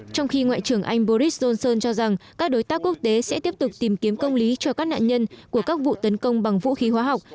trong khi ngoại trưởng anh boris johnson cho rằng các đối tác quốc tế sẽ tiếp tục tìm kiếm công lý cho các nạn nhân của các vụ tấn công bằng vũ khí hóa học